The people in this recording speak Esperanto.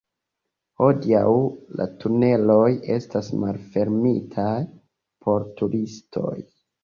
Hodiaŭ, la tuneloj estas malfermitaj por turistoj.